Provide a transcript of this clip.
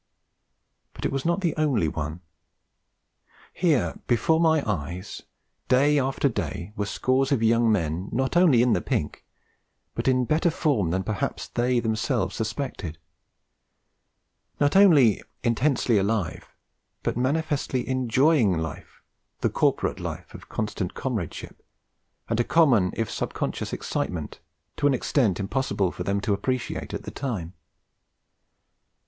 But it was not the only one. Here before my eyes, day after day, were scores of young men not only 'in the pink,' but in better 'form' than perhaps they themselves suspected; not only intensely alive but manifestly enjoying life, the corporate life of constant comradeship and a common if sub conscious excitement, to an extent impossible for them to appreciate at the time.